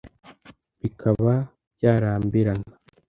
bikaba byarambirana